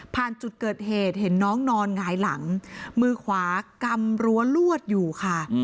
จุดเกิดเหตุเห็นน้องนอนหงายหลังมือขวากำรั้วลวดอยู่ค่ะ